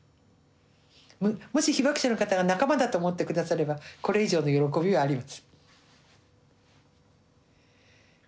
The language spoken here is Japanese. もし被爆者の方が仲間だと思ってくださればこれ以上の喜びはありません。